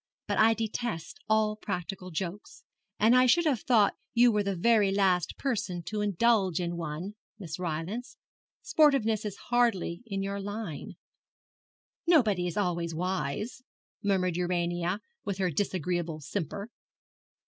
But I detest all practical jokes, and I should have thought you were the very last person to indulge in one, Miss Rylance. Sportiveness is hardly in your line.' 'Nobody is always wise,' murmured Urania, with her disagreeable simper.